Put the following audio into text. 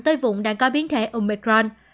tới vùng đang có biến thể omicron